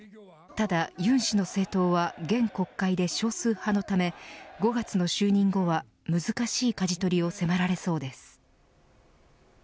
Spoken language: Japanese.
ただ尹氏の政党は現国会で少数派のため５月の就任後は難しいかじ取りを迫られそうです。